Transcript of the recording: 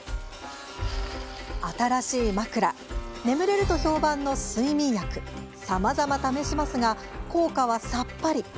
新しい枕、眠れると評判の睡眠薬さまざま試しますが効果はさっぱり。